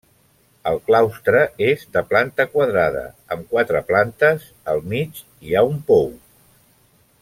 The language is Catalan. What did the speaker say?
El claustre és de planta quadrada, amb quatre plantes; al mig, hi ha un pou.